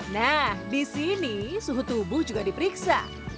nah di sini suhu tubuh juga diperiksa